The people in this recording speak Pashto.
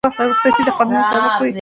رخصتي د قانون مطابق وي